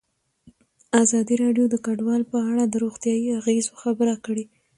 ازادي راډیو د کډوال په اړه د روغتیایي اغېزو خبره کړې.